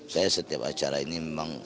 saya setiap acara ini memang